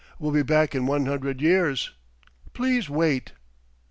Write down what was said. Will be back in one hundred years. Please wait.